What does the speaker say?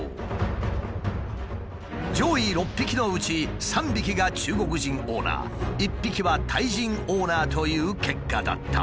上位６匹のうち３匹が中国人オーナー１匹はタイ人オーナーという結果だった。